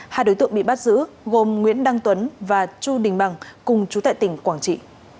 hai đối tượng bị bắt giữ gồm nguyễn đăng tuấn và chu đình bằng cùng chú tại tỉnh quảng trị